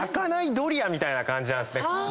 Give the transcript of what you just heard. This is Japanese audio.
ドリアみたいな感じなんですね。